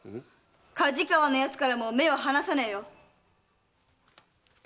梶川の奴からも目を離さねえよ！